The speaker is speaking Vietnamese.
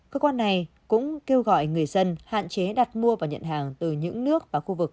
cơ quan này cũng kêu gọi người dân hạn chế đặt mua và nhận hàng từ những nước và khu vực